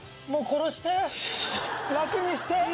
もう殺して。